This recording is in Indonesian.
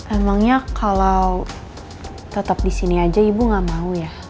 emangnya kalau tetap disini aja ibu gak mau ya